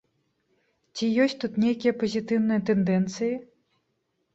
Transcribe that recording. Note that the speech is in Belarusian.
Ці ёсць тут нейкія пазітыўныя тэндэнцыі?